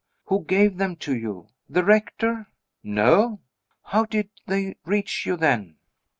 Who gave them to you? The Rector?" "No." "How did they reach you, then?"